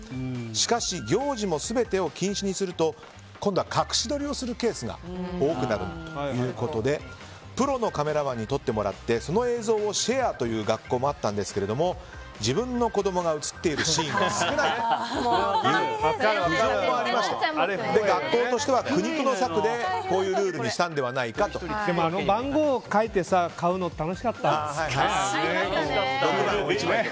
しかし、行事も全てを禁止にすると今度は隠し撮りをするケースが多くなるということでプロのカメラマンに撮ってもらってその映像をシェアという学校もあったんですが自分の子供が映っているシーンが少ないという苦情もありまして学校としては苦肉の策でこういうルールにあの番号を書いて買うの懐かしい！